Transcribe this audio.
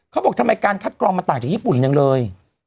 เขาบอกทำไมการคัดกรองมันต่างจากญี่ปุ่นจังเลย